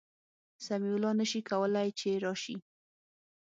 سمیع الله نسي کولای چي راسي